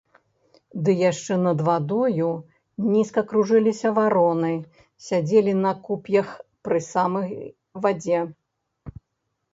Ды яшчэ над вадою нізка кружыліся вароны, сядзелі на куп'ях пры самай вадзе.